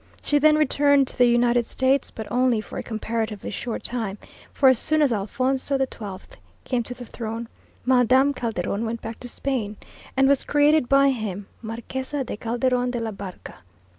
She then returned to the United States, but only for a comparatively short time, for as soon as Alfonso XII came to the throne, Madame Calderon went back to Spain and was created by him Marquesa de Calderon de la Barca.